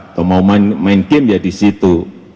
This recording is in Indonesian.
atau mau main game ya di situ